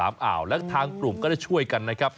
อ่าวและทางกลุ่มก็ได้ช่วยกันนะครับ